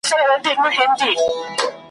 نه په سمه مځکه بند وو، نه په شاړه `